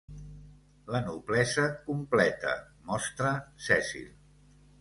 "La Noblesa Completa" mostra 'Cecil.